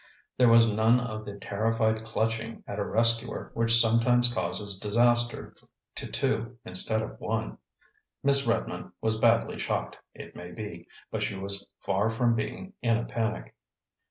There was none of the terrified clutching at a rescuer which sometimes causes disaster to two instead of one. Miss Redmond was badly shocked, it may be; but she was far from being in a panic.